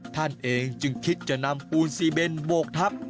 ท่านเองจึงคิดจะนำปูนซีเบนโบกทับ